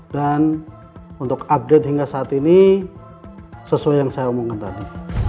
dan untuk update hingga saat ini sesuai yang saya omongkan tadi